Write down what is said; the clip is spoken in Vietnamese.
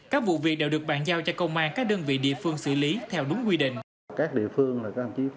các vụ việc đều được bàn giao cho công an các đơn vị địa phương xử lý theo đúng quy định